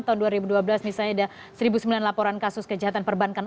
tahun dua ribu dua belas misalnya ada satu sembilan laporan kasus kejahatan perbankan